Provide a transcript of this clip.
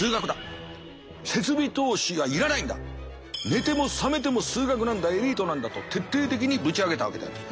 設備投資が要らないんだ寝ても覚めても数学なんだエリートなんだと徹底的にぶち上げたわけであります。